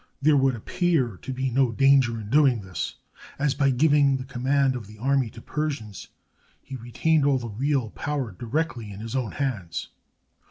There would appear to be no danger in doing this, as, by giving the command of the army to Persians, he retained all the real power directly in his own hands.